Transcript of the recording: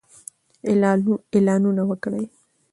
اعلانونه وکړئ.